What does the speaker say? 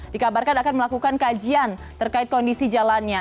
dikabarkan akan melakukan kajian terkait kondisi jalannya